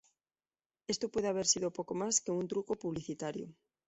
Esto puede haber sido poco más que un truco publicitario.